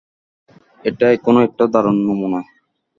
এটা এখনো একটা দারুণ নমুনা।